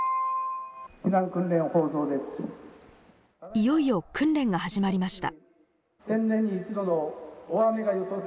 いよいよ訓練が始まりました。